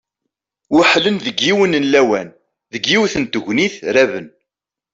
Weḥlen deg yiwen n lawan, deg yiwet n tegnit raben.